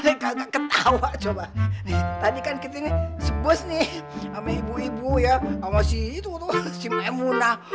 bagaimana kagak ketawa coba tadi kan kita sebus nih sama ibu ibu ya sama si itu tuh si maemunah